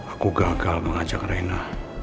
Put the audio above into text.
aku gagal mengajak rena